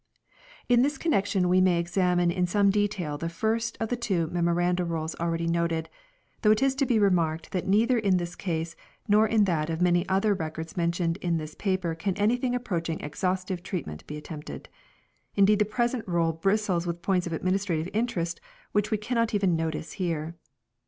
In this connection we may examine in some de The first tail the first of the two Memoranda Rolls already Memoranda noted ;* though it is to be remarked that neither in this case nor in that of many other Records mentioned in this paper can anything approaching exhaustive treatment be attempted ; indeed the present roll bristles with points of administrative interest which we cannot even notice here.